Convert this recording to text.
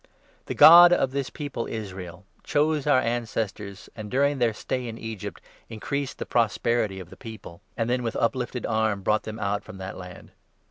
The God of this people Israel chose 17 our ancestors, and during their stay in Egypt increased the prosperity of the people, and then ' with uplifted arm brought them out from that land.'